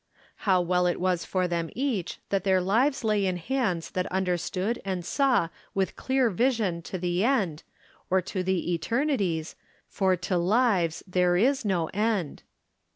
How well it was for them each that their, lives lay in hands that understood and saw with clear vision to the end, or to the eternities, for to lives there is no end.